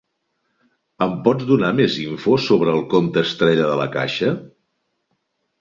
Em pots donar més info sobre el compte Estrella de La Caixa?